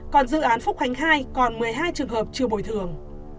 còn dự án phúc khánh hai còn một mươi hai trường hợp chưa bồi thường